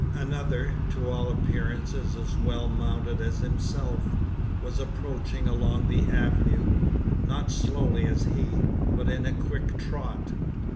Another, to all appearance as well mounted as himself, was approaching along the avenue not slowly as he, but in a quick trot.